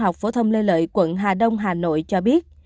học phổ thông lê lợi quận hà đông hà nội cho biết